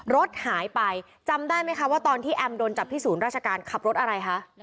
รถหายไปจำได้ไหมคะว่าตอนที่แอมโดนจับที่ศูนย์ราชการขับรถอะไรคะ